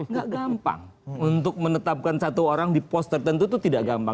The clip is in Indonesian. nggak gampang untuk menetapkan satu orang di pos tertentu itu tidak gampang